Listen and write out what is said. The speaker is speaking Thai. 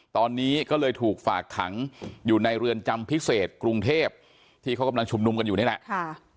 ตอนนี้ก็เลยถูกฝากขังอยู่ในเรือนจำพิเศษกรุงเทพที่เขากำลังชุมนุมกันอยู่นี่แหละ